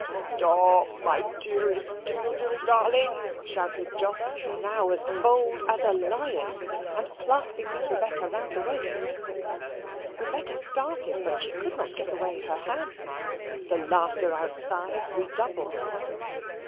"Stop, my dearest diddle diddle darling," shouted Jos, now as bold as a lion, and clasping Miss Rebecca round the waist. Rebecca started, but she could not get away her hand. The laughter outside redoubled.